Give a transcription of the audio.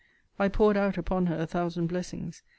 I poured out upon her a thousand blessings.